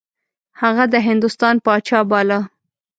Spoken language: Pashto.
هغه د هندوستان پاچا باله.